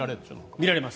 見られます。